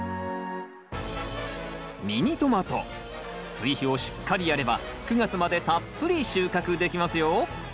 ミニトマト追肥をしっかりやれば９月までたっぷり収穫できますよ！